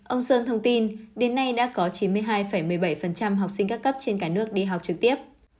ông sơn thông tin đến nay đã có chín mươi hai một mươi bảy học sinh các cấp trên cả nước đi học trực tiếp